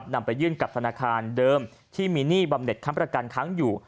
นำไปยื่นกับธนาคารเดิมที่มีหนี้บำเน็ตค้ำประกันค้างอยู่